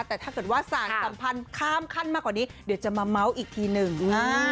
แต่ถ้าเกิดว่าสารสัมพันธ์ข้ามขั้นมากกว่านี้เดี๋ยวจะมาเมาส์อีกทีหนึ่ง